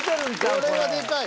これはでかい。